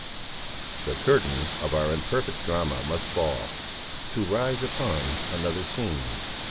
The curtain of our imperfect drama must fall, to rise upon another scene.